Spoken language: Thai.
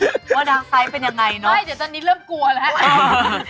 เดี๋ยวตอนนี้เริ่มกลัวแล้ว